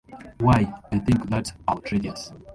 Why, I think that's outrageous.